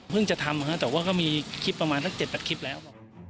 เพิ่งจะทำแต่ว่ามีคลิปประมาณทั้ง๗๘คลิปแล้ว